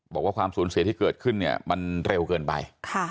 บอกว่าความสูญเสียที่เกิดขึ้นเนี่ยมันเร็วเกินไป